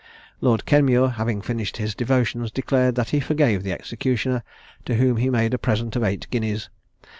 Lord Kenmure having finished his devotions, declared that he forgave the executioner, to whom he made a present of eight guineas.